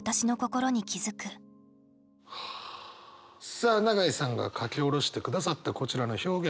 さあ永井さんが書き下ろしてくださったこちらの表現。